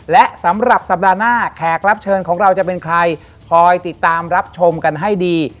และสำหรับสัปดาห์หน้าแขกรับเชิญของเราจะเป็นใครคอยติดตามรับชมกันให้ดี